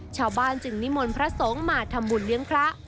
ชาวบ้านจึงนิมนต์พระสงฆ์มาทำบุญเลี้ยงพระ